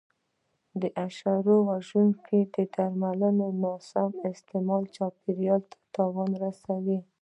د حشره وژونکو درملو ناسم استعمال چاپېریال ته تاوان رسوي.